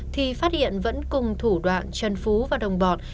thì phát hiện vẫn cùng thủ đoạn trần phú và đồng bọn